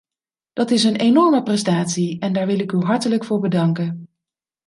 Dat is een enorme prestatie, en daar wil ik u hartelijk voor bedanken.